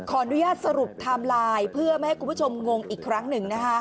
ขออนุญาตสรุปไทม์ไลน์เพื่อไม่ให้คุณผู้ชมงงอีกครั้งหนึ่งนะคะ